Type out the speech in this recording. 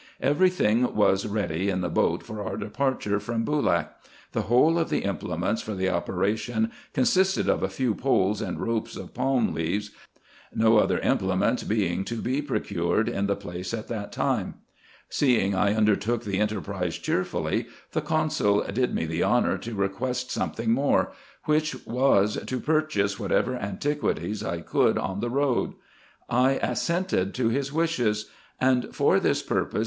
Every thing was ready in the boat for our departure from Boolak. The whole of the implements for the operation consisted of a few poles and ropes of palm leaves, no other implements being to be procured in the place at that time. Seeing I undertook the enterprise cheerfully, the consul did me the honour to request something more, which was, to purchase whatever antiquities I could on the road. I assented to his wishes ; and for this purpose IN EGYPT, NUBIA, &c.